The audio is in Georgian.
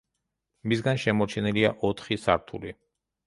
მისგან შემორჩენილია ოთხი სართული.